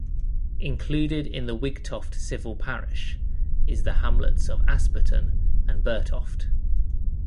Included in Wigtoft civil parish is the hamlets of Asperton and Burtoft.